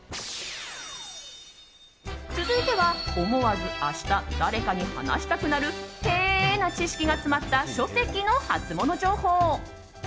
続いては、思わず明日誰かに話したくなるへな知識が詰まった書籍のハツモノ情報。